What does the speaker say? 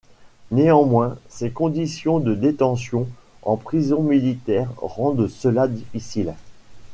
Néanmoins, ses conditions de détention en prison militaire rendent cela difficile.